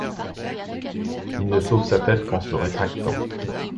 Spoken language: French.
Il ne sauve sa tête qu’en se rétractant.